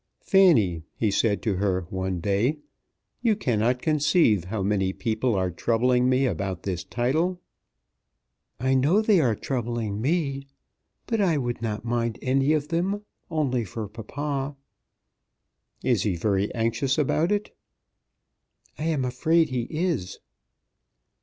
"Fanny," he said to her one day, "you cannot conceive how many people are troubling me about this title." "I know they are troubling me. But I would not mind any of them; only for papa." "Is he very anxious about it?" "I am afraid he is."